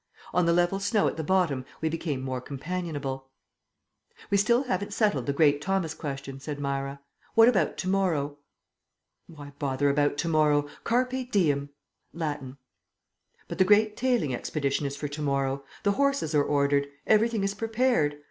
On the level snow at the bottom we became more companionable. "We still haven't settled the great Thomas question," said Myra. "What about to morrow?" "Why bother about to morrow? Carpe diem. Latin." "But the great tailing expedition is for to morrow. The horses are ordered; everything is prepared.